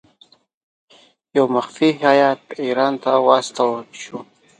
یو مخفي هیات ایران ته واستاوه شو.